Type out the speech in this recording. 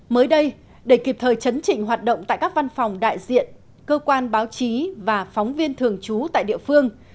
mới đây để kịp thời chấn chỉnh hoạt động tại các văn phòng đại diện cơ quan báo chí và phóng viên thường trú tại địa phương